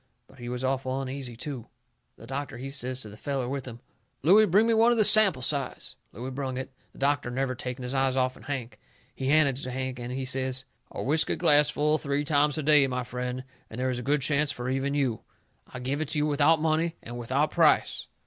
But he was awful uneasy too. The doctor, he says to the feller with him: "Looey, bring me one of the sample size." Looey brung it, the doctor never taking his eyes off'n Hank. He handed it to Hank, and he says: "A whiskey glass full three times a day, my friend, and there is a good chance for even you. I give it to you, without money and without price."